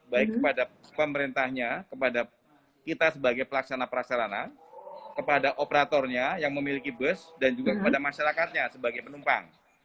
baik kepada pemerintahnya kepada kita sebagai pelaksana prasarana kepada operatornya yang memiliki bus dan juga kepada masyarakatnya sebagai penumpang